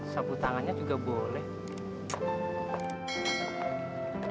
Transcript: sabut tangannya juga boleh